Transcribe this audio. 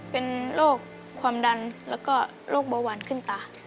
เป็นโรคความดันแล้วก็โรคเบาหวานขึ้นตา